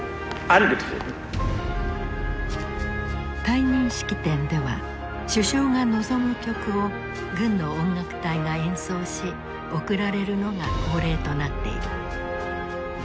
退任式典では首相が望む曲を軍の音楽隊が演奏し送られるのが恒例となっている。